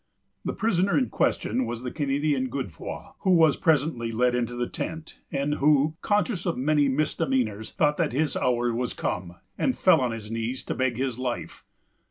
The prisoner in question was the Canadian Godefroy, who was presently led into the tent; and who, conscious of many misdemeanors, thought that his hour was come, and fell on his knees to beg his life.